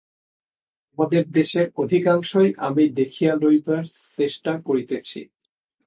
তোমাদের দেশের অধিকাংশই আমি দেখিয়া লইবার চেষ্টা করিতেছি।